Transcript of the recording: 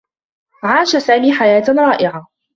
عاش سامي حياة رائعة.